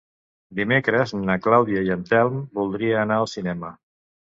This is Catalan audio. Dimecres na Clàudia i en Telm voldria anar al cinema.